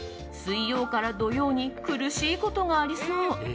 水曜から土曜に苦しいことがありそう。